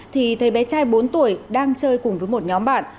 thì thấy bé trai bốn tuổi đang chơi cùng với một nhóm bạn